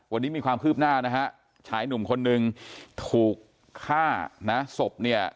วันนี้มีความคืบหน้านะฮะชายหนุ่มคนนึงถูกฆ่านะศพเนี่ย